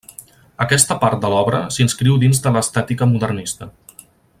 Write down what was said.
Aquesta part de l'obra s'inscriu dins de l'estètica modernista.